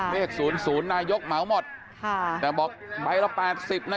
เลข๐๐นายกเหมาหมดแต่บอกใบละ๘๐นะ